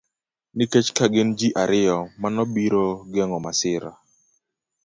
Nikech ka gin ji ariyo, mano biro geng'o masir